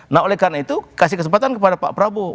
nah oleh karena itu kasih kesempatan kepada pak prabowo